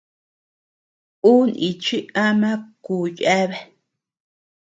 Ú nichi ama kù yéabea.